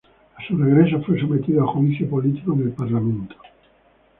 A su regreso, fue sometido a juicio político en el Parlamento.